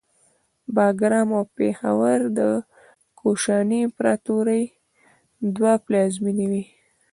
باګرام او پیښور د کوشاني امپراتورۍ دوه پلازمینې وې